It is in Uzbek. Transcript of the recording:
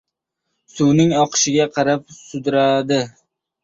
Suvning oqishiga qarab sudradi.